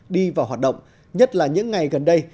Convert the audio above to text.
đi vào hoạt động nhất là những ngày gần đây